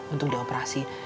untuk di operasi